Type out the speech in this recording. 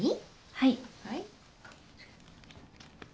はい。